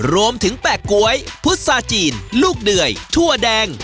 แปะก๊วยพุษาจีนลูกเดื่อยถั่วแดง